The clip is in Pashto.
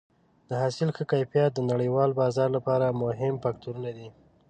د حاصل ښه کیفیت د نړیوال بازار لپاره مهم فاکتور دی.